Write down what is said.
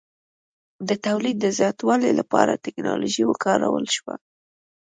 د تولید د زیاتوالي لپاره ټکنالوژي وکارول شوه.